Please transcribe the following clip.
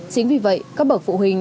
chính vì vậy các bậc phụ huynh